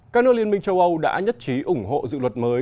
các nước liên minh châu âu đã nhất trí ủng hộ dự luật mới